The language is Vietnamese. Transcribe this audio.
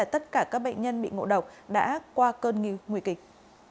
tất cả các bệnh nhân bị ngộ độc đã qua cơn nguy kịch